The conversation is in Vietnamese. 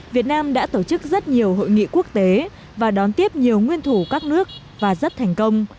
việt nam đã tổ chức rất nhiều hội nghị quốc tế và đón tiếp nhiều nguyên thủ các nước và rất thành công